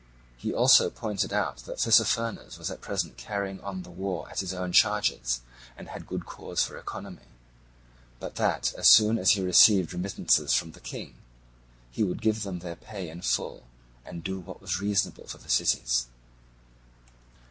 He also pointed out that Tissaphernes was at present carrying on the war at his own charges, and had good cause for economy, but that as soon as he received remittances from the king he would give them their pay in full and do what was reasonable for the cities.